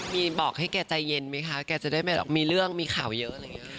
มีบอกให้แกใจเย็นไหมค่ะแกจะได้ไม่หรอกมีเรื่องมีข่าวเยอะอะไรเงี้ย